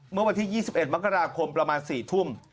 เมื่อวันที่๒๑มกราคมประมาณ๔ทุ่ม